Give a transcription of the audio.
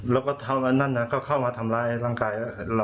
แล้วก็เข้ามาทำร้ายร่างกาย